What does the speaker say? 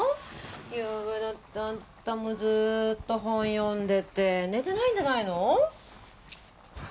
ゆうべだってずっと本を読んでて寝てないんじゃないの？